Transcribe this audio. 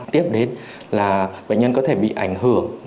tiếp đến bệnh nhân có thể bị ảnh hưởng